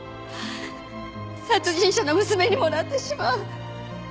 殺人者の娘にもなってしまう